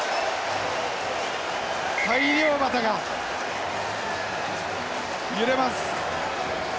大漁旗が揺れます。